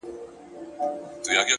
يــاره مـدعـا يــې خوښه ســـوېده ـ